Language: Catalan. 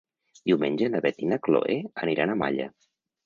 Diumenge na Beth i na Chloé aniran a Malla.